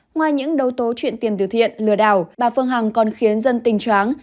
ngoài những đấu tố chuyện tiền từ thiện lừa đảo bà phương hằng còn khiến dân tình choáng